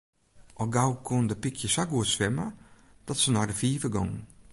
Al gau koenen de pykjes sa goed swimme dat se nei de fiver gongen.